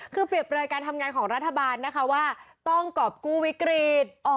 คือเปรียบเลยการทำงานของรัฐบาลนะคะว่าต้องกรอบกู้วิกฤต